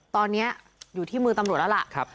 ตอนนี้อยู่ที่มือตำรวจแล้วล่ะ